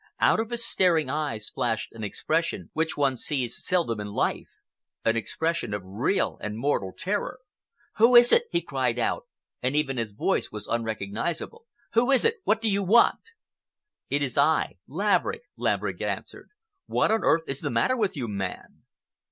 Out of his staring eyes flashed an expression which one sees seldom in life,—an expression of real and mortal terror. "Who is it?" he cried out, and even his voice was unrecognizable. "Who is that? What do you want?" "It is I—Laverick," Laverick answered. "What on earth is the matter with you, man?"